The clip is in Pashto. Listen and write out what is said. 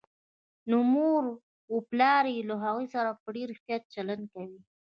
نو مور و پلار يې له هغوی سره په ډېر احتياط چلند کوي